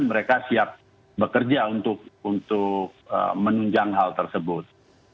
mereka siap bekerja untuk menunjang hal tersebut